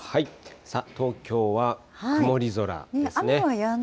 さあ、東京は曇り空ですね。